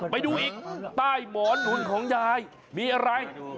ไปดูอีกใต้หมอนหนุนของยายมีอะไร